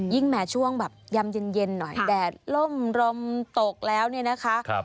ยิ่งแม้ช่วงแบบยำเย็นหน่อยแดดลมตกแล้วนะคะ